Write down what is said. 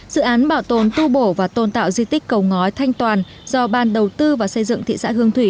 dự án bảo tồn tu bổ và tôn tạo di tích cầu ngói thanh toàn do ban đầu tư và xây dựng thị xã hương thủy